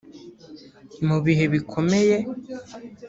mu bihe bikomeye